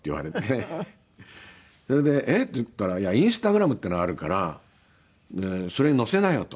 それで「えっ？」って言ったら「Ｉｎｓｔａｇｒａｍっていうのがあるからそれに載せなよ」と。